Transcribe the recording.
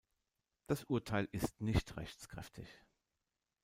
Das Urteil ist nicht rechtskräftig.